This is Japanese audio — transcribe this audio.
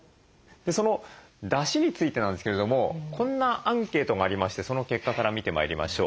そのだしについてなんですけれどもこんなアンケートがありましてその結果から見てまいりましょう。